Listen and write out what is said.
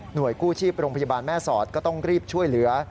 กู้ชีพโรงพยาบาลแม่สอดก็ต้องรีบช่วยเหลือ